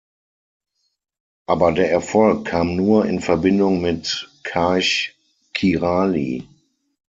Aber der Erfolg kam nur in Verbindung mit Karch Kiraly.